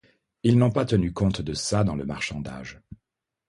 Ils n'ont pas tenu compte de ça, dans le marchandage.